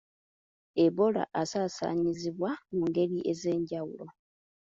Ebola asaasaanyizibwa mu ngeri ez'enjawulo.